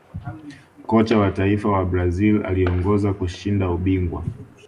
Kocha wa taifa wa brazil aliiongoza kushinda ubingwa